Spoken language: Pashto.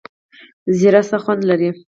زیره څه خوند لري؟